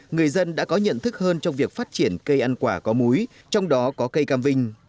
người dân đã có nhận thức hơn trong việc phát triển cây ăn quả có múi trong đó có cây cam vinh